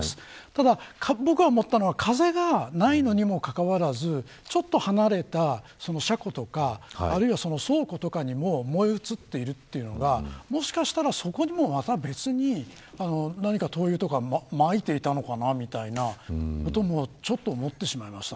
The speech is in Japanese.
ただ僕が思ったのは風がないのにもかかわらず少し離れた車庫とかあるいは倉庫とかにも燃え移っているというのがもしかしたら、そこにもまた別に何か灯油とかまいていたのかなみたいなことも少し思ってしまいました。